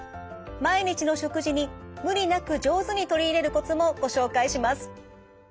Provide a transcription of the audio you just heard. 毎日の食事に無理なく上手に取り入れるコツもご紹介します。